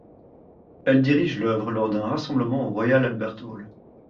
Elle dirige l'œuvre lors d'un rassemblement au Royal Albert Hall.